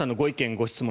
・ご質問